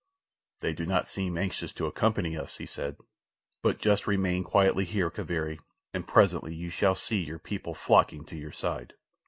"They do not seem anxious to accompany us," he said; "but just remain quietly here, Kaviri, and presently you shall see your people flocking to your side."